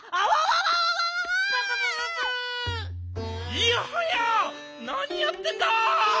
いやはやなにやってんだ！